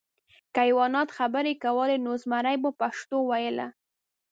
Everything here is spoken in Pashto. که حیواناتو خبرې کولی، نو زمری به پښتو ویله .